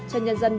cho nhân dân